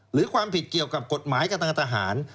หรือความผิดเกี่ยวกับกฎหมายกับทางทหาร